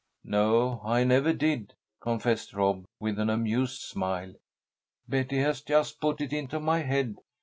"No, I never did," confessed Rob, with an amused smile. "Betty has just put it into my head.